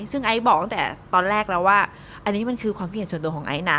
ซึ่งไอซ์บอกตั้งแต่ตอนแรกแล้วว่าอันนี้มันคือความคิดเห็นส่วนตัวของไอซ์นะ